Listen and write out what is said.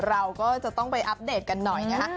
เราก็จะต้องไปอัปเดตกันหน่อยนะคะ